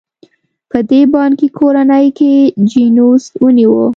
په دې بانکي کورنۍ ځای جینوس ونیوه.